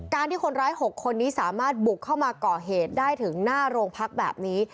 ที่คนร้าย๖คนนี้สามารถบุกเข้ามาก่อเหตุได้ถึงหน้าโรงพักแบบนี้